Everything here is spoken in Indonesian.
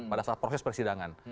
pada saat proses persidangan